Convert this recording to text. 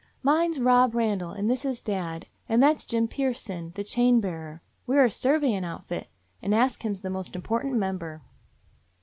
"Mine 's Bob Randall, and this is dad, and that 's Jim Pearson, the chain bearer. We 're a surveyin' outfit, and Ask Him 's the most important member."